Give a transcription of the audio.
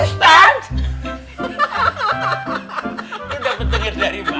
itu dapat denger dari mana